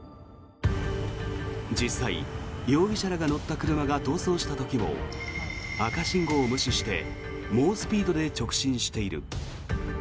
実際、容疑者らが乗った車が逃走した時も赤信号を無視して猛スピードで直進している。